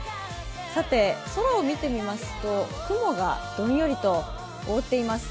さて、空を見てみますと雲がどんよりと覆っています。